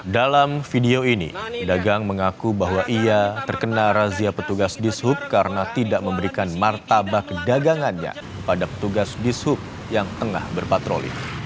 dalam video ini pedagang mengaku bahwa ia terkena razia petugas di sub karena tidak memberikan martabak dagangannya kepada petugas dishub yang tengah berpatroli